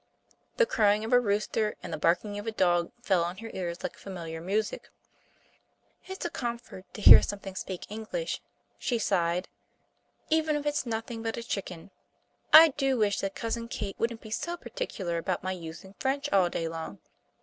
The crowing of a rooster and the barking of a dog fell on her ear like familiar music. "It's a comfort to hear something speak English," she sighed, "even if it's nothing but a chicken. I do wish that Cousin Kate wouldn't be so particular about my using French all day long.